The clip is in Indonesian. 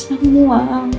aku gak mau makan mas